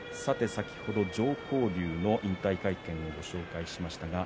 先ほど常幸龍の引退会見をご紹介しました。